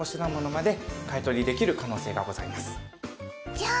じゃあ。